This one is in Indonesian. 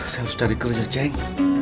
saya harus dari kerja ceng